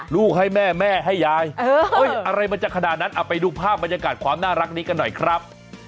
ลูกให้แม่แม่ให้ยายอะไรมันจะขนาดนั้นเอาไปดูภาพบรรยากาศความน่ารักนี้กันหน่อยครับ